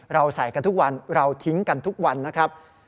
ใส่กันทุกวันเราทิ้งกันทุกวันนะครับ